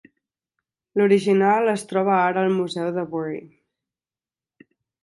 L'original es troba ara al museu de Bury.